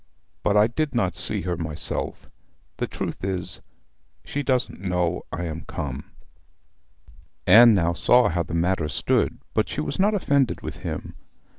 But I did not see her myself. The truth is, she doesn't know I am come.' Anne now saw how the matter stood; but she was not offended with him.